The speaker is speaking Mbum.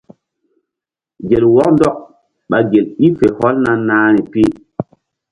Gel wɔk ndɔk ɓa gel i fe hɔlna nahri pi.